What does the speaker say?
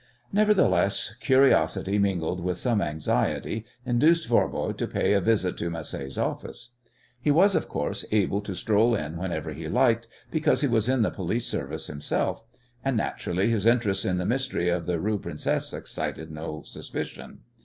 Nevertheless, curiosity, mingled with some anxiety, induced Voirbo to pay a visit to Macé's office. He was, of course, able to stroll in whenever he liked, because he was in the police service himself, and, naturally, his interest in the mystery of the Rue Princesse excited no suspicion.